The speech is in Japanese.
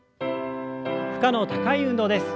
負荷の高い運動です。